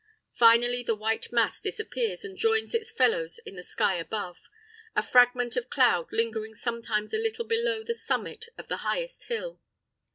Finally the white mass disappears and joins its fellows in the sky above, a fragment of cloud lingering sometimes a little below the summit of the highest hill.